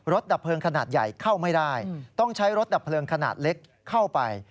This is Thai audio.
ดับเพลิงขนาดใหญ่เข้าไม่ได้ต้องใช้รถดับเพลิงขนาดเล็กเข้าไป